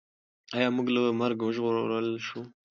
ایا موږ له مرګه وژغورل شوو؟